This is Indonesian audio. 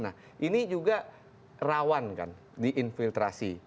nah ini juga rawan kan di infiltrasi